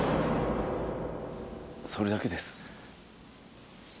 それだけです。